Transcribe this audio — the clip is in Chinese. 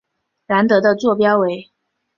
兰德的座标为。